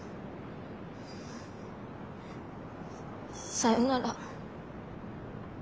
さよなら。